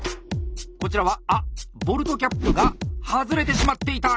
こちらはあっボルトキャップが外れてしまっていた。